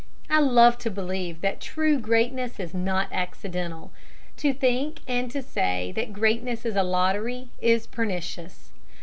I love to believe that true greatness is not accidental. To think and to say that greatness is a lottery, is pernicious.